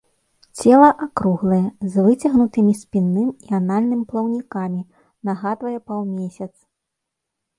Цела акруглае, з выцягнутымі спінным і анальным плаўнікамі, нагадвае паўмесяц.